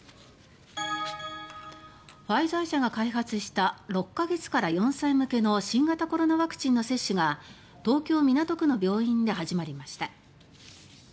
ファイザー社が開発した６か月から４歳向けの新型コロナワクチンの接種が東京・港区の病院で始まりました。